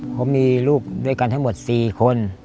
เขามีลูกด้วยกันทั้งหมด๔คน